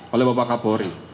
oleh bapak kapolri